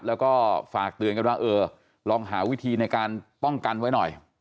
แล้วก็ฝากเตือนกันว่าเออลองหาวิธีในการป้องกันไว้หน่อย